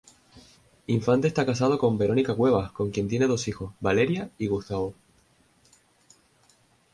Infante está casado con Verónica Cuevas, con quien tiene dos hijos: Valeria y Gustavo.